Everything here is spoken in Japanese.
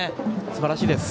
すばらしいです。